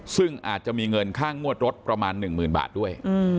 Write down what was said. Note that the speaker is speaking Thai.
ซึ่งอาจจะมีเงินค่างวดรถประมาณหนึ่งหมื่นบาทด้วย